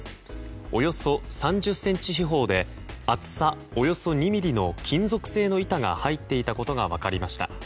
およそ３０ｃｍ四方で厚さおよそ２ｍｍの金属製の板が入っていたことが分かりました。